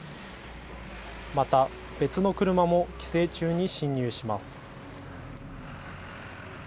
また別の車も規制中に進入します。